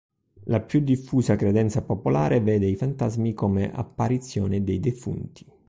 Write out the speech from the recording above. La più diffusa credenza popolare vede i fantasmi come apparizione dei defunti.